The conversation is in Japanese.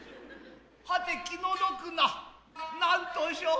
はて気の毒な何んとせう。